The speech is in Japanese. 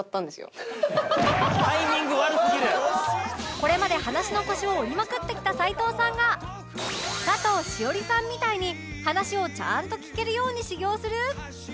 これまで話の腰を折りまくってきた齊藤さんが佐藤栞里さんみたいに話をちゃんと聞けるように修業する